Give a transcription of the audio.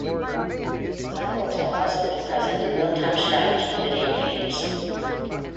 Cyborgs have also been present in real-time strategy video games.